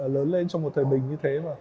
lớn lên trong một thời bình như thế